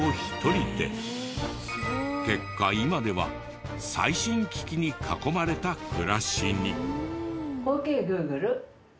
結果今では最新機器に囲まれた暮らしに。